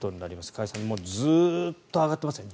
加谷さん、ずっと上がってますね